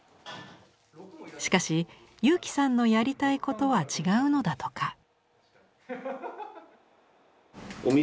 しかし佑基さんのやりたいことは違うのだとか。